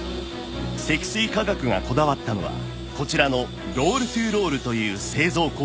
積水化学がこだわったのはこちらのロール・トゥー・ロールという製造工程です